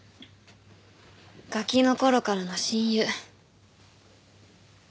ガキの頃からの親友。